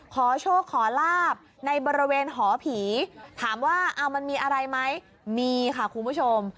ขอโชคขอลาบในบริเวณหอผีถามว่ามันมีอะไรไหมมีค่ะคุณผู้ชม